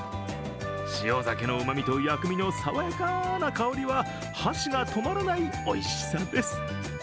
塩ざけのうまみと薬味の爽やかな香りは箸が止まらないおいしさです。